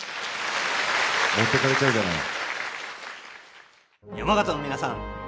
持っていかれちゃうじゃない。